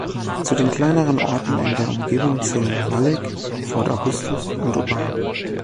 Zu den kleineren Orten in der Umgebung zählen Mallaig, Fort Augustus und Oban.